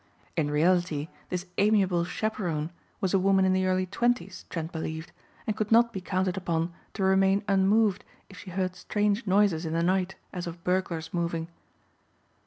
In reality this amiable chaperone was a woman in the early twenties Trent believed and could not be counted upon to remain unmoved if she heard strange noises in the night as of burglars moving.